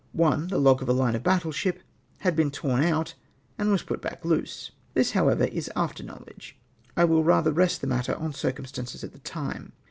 One — the loo' of a hne of battle ship — had been torn out and icas jrut hack loose ! This, however, is after knowledge, I will rather rest the matter on circumstances at the time.